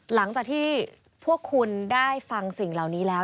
หลังจากที่พวกคุณได้ฟังสิ่งเหล่านี้แล้ว